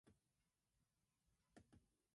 Shiv-Hari continue to perform live together.